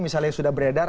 misalnya yang sudah beredar